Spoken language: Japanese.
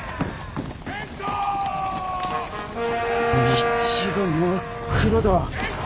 道が真っ黒だ。